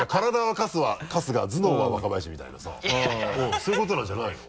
そういうことなんじゃないの？